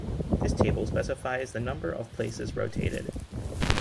This table specifies the number of places rotated.